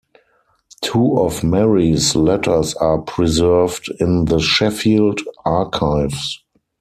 Two of Mary's letters are preserved in the Sheffield Archives.